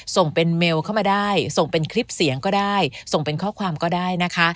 ส่งเป็นเมลเข้ามาได้ส่งเป็นคลิปเสียงก็ได้ส่งเป็นข้อความก็ได้นะคะ